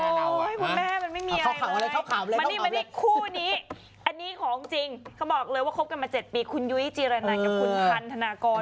คุณแม่มันไม่มีอะไรมานี่ไม่ได้คู่นี้อันนี้ของจริงเขาบอกเลยว่าคบกันมา๗ปีคุณยุ้ยจีรนันกับคุณพันธนากร